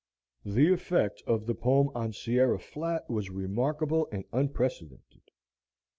The effect of the poem on Sierra Flat was remarkable and unprecedented.